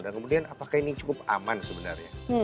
dan kemudian apakah ini cukup aman sebenarnya